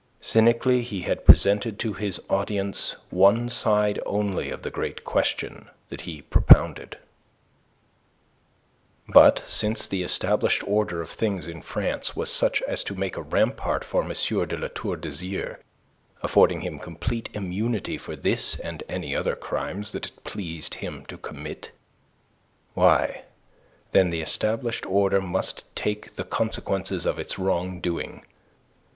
Cynically he had presented to his audience one side only of the great question that he propounded. But since the established order of things in France was such as to make a rampart for M. de La Tour d'Azyr, affording him complete immunity for this and any other crimes that it pleased him to commit, why, then the established order must take the consequences of its wrong doing.